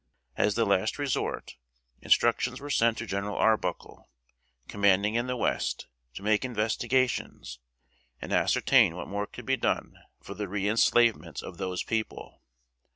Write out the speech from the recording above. As the last resort, instructions were sent to General Arbuckle, commanding in the West, to make investigations, and ascertain what more could be done for the reënslavement of those people.